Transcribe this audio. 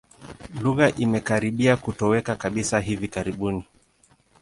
Lugha imekaribia kutoweka kabisa hivi karibuni.